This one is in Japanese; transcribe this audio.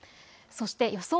そして予想